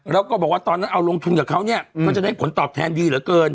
แล้วก็บอกว่าตอนนั้นเอาลงทุนกับเขาเนี่ยก็จะได้ผลตอบแทนดีเหลือเกิน